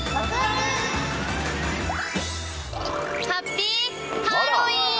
ハッピーハロウィーン！